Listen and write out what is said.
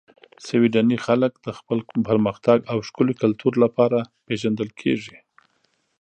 سویدني خلک د خپل پرمختګ او ښکلي کلتور لپاره پېژندل کیږي.